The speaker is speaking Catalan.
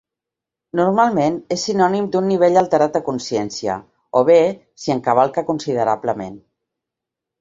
Normalment és sinònim d'un nivell alterat de consciència, o bé s'hi encavalca considerablement.